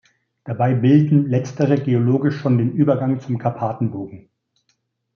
Dabei bilden letztere geologisch schon den Übergang zum Karpatenbogen.